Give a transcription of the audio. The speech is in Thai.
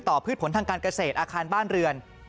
พืชผลทางการเกษตรอาคารบ้านเรือน